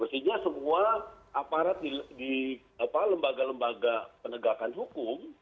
mestinya semua aparat di lembaga lembaga penegakan hukum